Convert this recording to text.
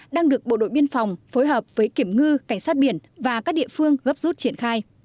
đang được bộ đội biên phòng phối hợp với kiểm ngư cảnh sát biển và các địa phương gấp rút triển khai